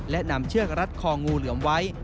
และนำเชือกรัดคองูเหลือมไว้